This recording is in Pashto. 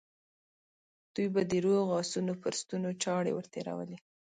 دوی به د روغو آسونو پر ستونو چاړې ور تېرولې.